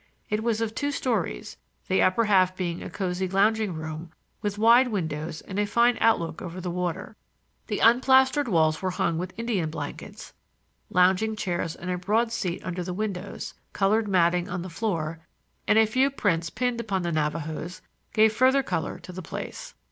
It was of two stories, the upper half being a cozy lounging room, with wide windows and a fine outlook over the water. The unplastered walls were hung with Indian blankets; lounging chairs and a broad seat under the windows, colored matting on the floor and a few prints pinned upon the Navajoes gave further color to the place.